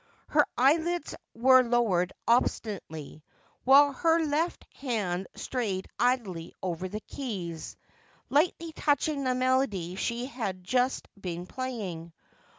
Her eyelids were lowered obstinately, while her left hana strayed idly over the keys, lightly touching the melody she had just been playing.